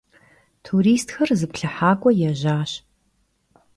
Turistxer zıplhıhak'ue yêjaş.